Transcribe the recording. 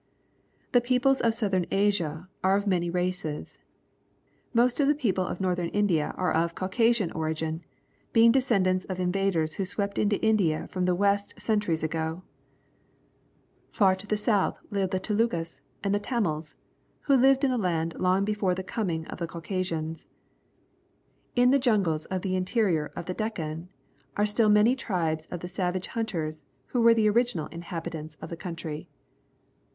The peoples of Southern Asia are of many races. Most of the people of Northern India are of Caucasian origin, being descend ants of invaders who swept into India from the west cen turies ago. Farther south live the Telugus and the Tamils, who lived in the land long before the coming of the Caucasians. In the jungles of the interior of the Deccan are still many tribes of the savage hunters who were the original inhabitants of the country.